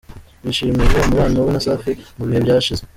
bishimiye umubano we na Safi mu bihe byashize.